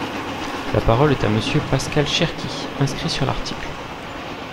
La parole est à Monsieur Pascal Cherki, inscrit sur l’article.